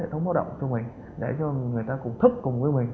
hệ thống báo động cho mình để cho người ta cùng thức cùng với mình